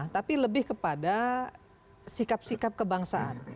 tapi lebih kepada sikap sikap kebangsaan